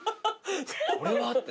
「これは」って。